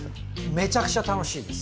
めちゃくちゃ楽しいです。